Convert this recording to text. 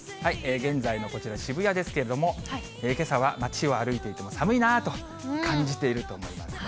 現在のこちら、渋谷ですけれども、けさは街を歩いていても、寒いなと感じていると思いますね。